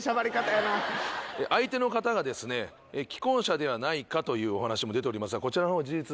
相手の方がですね既婚者ではないかというお話も出ておりますがこちらのほう事実